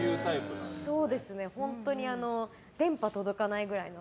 本当に電波届かないくらいの。